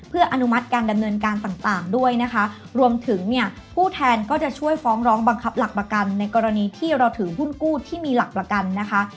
เพื่ออนุมัติการดำเนินการต่างต่างด้วยนะคะรวมถึงเนี่ยผู้แทนก็จะช่วยฟ้องร้องบังคับหลักประกันในกรณีที่เราถือหุ้นกู้ที่มีหลักประกันนะคะ